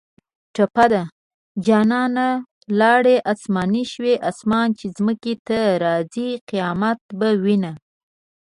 ټپه ده: جانانه لاړې اسماني شوې اسمان چې ځمکې ته راځۍ قیامت به وینه